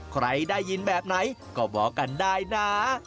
ใครได้ยินแบบไหนก็บอกกันได้นะ